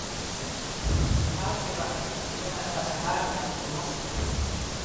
ښار کې به بیا هغه سهار لکه یو مست آس،